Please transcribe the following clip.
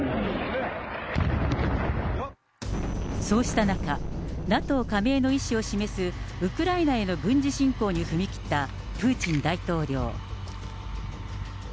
そうした中、ＮＡＴＯ加盟の意思を示すウクライナへの軍事侵攻に踏み切ったプーチン大統領。